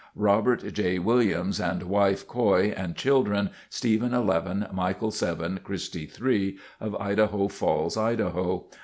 Robert J. Williams, and wife, Coy, and children, Steven, 11; Michael, 7, and Christy, 3 of Idaho Falls, Idaho.